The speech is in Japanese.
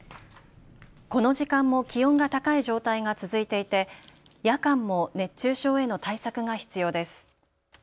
この時間も気温が高い状態が続いていて夜間も熱中症への対策が必要です。